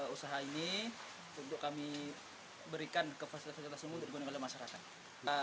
usaha ini untuk kami berikan ke fasilitas fasilitas umum untuk gunakan oleh masyarakat